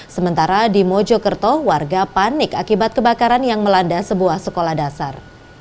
sementara di mojokerto warga panik akibat kebakaran yang melanda sebuah sekolah dasar